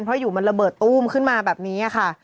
เพราะอยู่มันระเบิดตู้มขึ้นมาแบบนี้ค่ะ